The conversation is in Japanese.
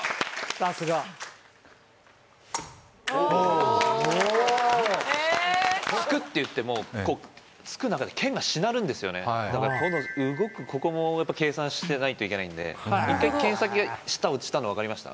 さすがおおええおお突くっていってもこう突く中で剣がしなるんですよねだからこの動くここもやっぱ計算してないといけないんで１回剣先が下落ちたのわかりました？